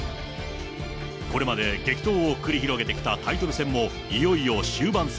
これまで激闘を繰り広げてきたタイトル戦も、いよいよ終盤戦。